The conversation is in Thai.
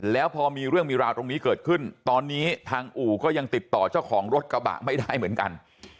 แล้วพอมีเรื่องมีราวตรงนี้เกิดขึ้นตอนนี้ทางอู่ก็ยังติดต่อเจ้าของรถกระบะไม่ได้เหมือนกัน